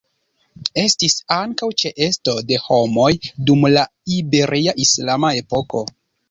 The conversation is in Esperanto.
Estis ankaŭ ĉeesto de homoj dum la Iberia islama epoko.